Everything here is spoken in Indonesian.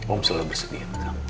om selalu bersedih